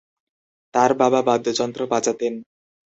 তার বাবা বাদ্যযন্ত্র বাজাতেন।